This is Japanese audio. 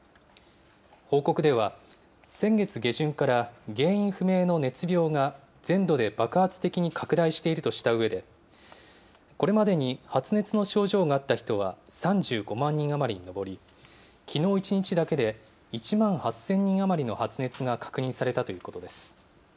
報告では、先月下旬から原因不明の熱病が全土で爆発的に拡大しているとしたうえで、これまでに発熱の症状があった人は、３５万人余りに上り、きのう１日だけで１万８０００人余りの発熱が確認されたということです。